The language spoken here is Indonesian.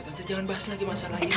tante jangan bahas lagi masalah itu